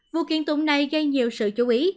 vụ kiện tụng này gây nhiều sự chú ý